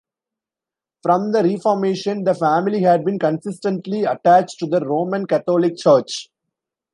From the Reformation the family had been consistently attached to the Roman Catholic Church.